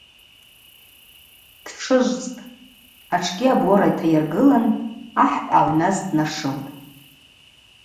Дтшыжвцӏтӏ, атшгьи абора йтайыргылын ахӏ дъагӏвназ днашылтӏ.